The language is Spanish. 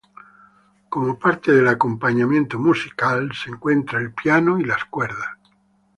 Como parte del acompañamiento musical, se encuentra el piano y las cuerdas.